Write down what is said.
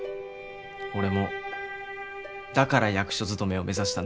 俺もだから役所勤めを目指したんです。